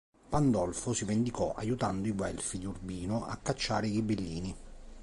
Pandolfo si vendicò aiutando i guelfi di Urbino a cacciare i ghibellini.